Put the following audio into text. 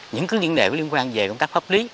những cái vấn đề liên quan về công tác hấp lý